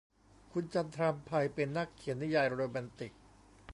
คุณจันทรำไพ เป็นนักเขียนนิยายโรแมนติก